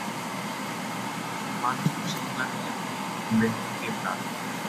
Los humanos poseen un arco en el pie, en vez de un pie plano.